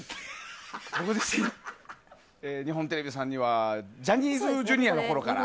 僕自身、日本テレビさんにはジャニーズＪｒ．のころから。